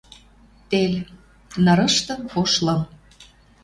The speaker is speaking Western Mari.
Тел. Нырышты ош лым.